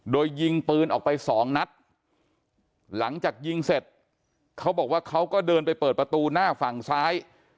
โดยยิงปืนออกไปสองนัดหลังจากยิงเสร็จเขาบอกว่าเขาก็เดินไปเปิดประตูหน้าฝั่งซ้าย